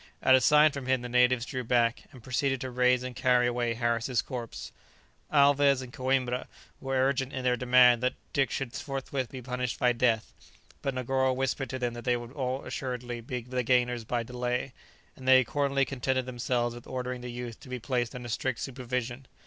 At a sign from him the natives drew back, and proceeded to raise and carry away Harris's corpse. Alvez and Coïmbra were urgent in their demand that Dick should forthwith be punished by death, but Negoro whispered to them that they would assuredly be the gainers by delay, and they accordingly contented themselves with ordering the youth to be placed under strict supervision.